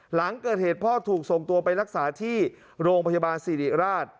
หลังเกิดเหตุพ่อถูกส่งตัวไปรักษาที่โรงพยาบาลสิริราช